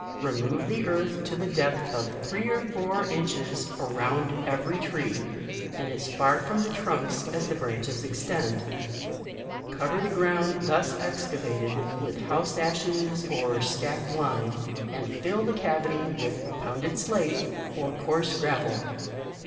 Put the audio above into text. Remove the earth to the depth of three or four inches around every tree, and as far from the trunks as the branch es extend ; cover the ground thus excava ted with house ashes op slacked lime, and fill the cavity with pounded slate, or coarse gra vel.